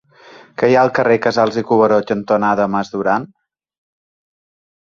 Què hi ha al carrer Casals i Cuberó cantonada Mas Duran?